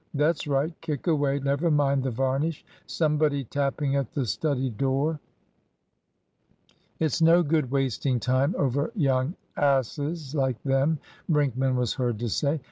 That's right! Kick away! Never mind the varnish! Somebody tapping at the study door." "It's no good wasting time over young asses like them," Brinkman was heard to say.